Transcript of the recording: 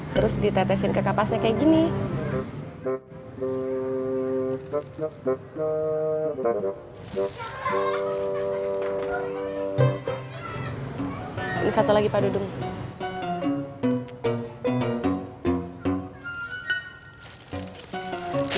terus ditetesin ke kapasnya kayak gini